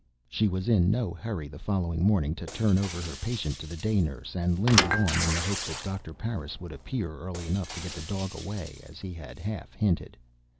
She was in no hurry the following morning to turn over her patient to the day nurse and lingered on in the hope that Doctor Parris would appear early enough to get the dog away, as he had half hinted.